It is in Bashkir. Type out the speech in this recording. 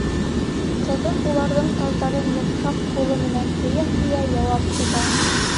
Ҡыҙым, уларҙың таждарын йомшаҡ ҡулы менән һөйә-һөйә, яуап көтә.